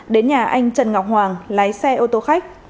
đến nhà anh trần ngọc hoàng lái xe ô tô khách